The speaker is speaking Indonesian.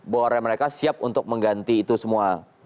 bahwa mereka siap untuk mengganti itu semua